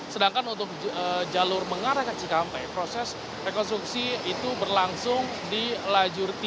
sedangkan untuk jalur mengarah ke cikampek proses rekonstruksi itu berlangsung di lajur tiga